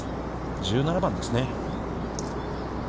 １７番ですね。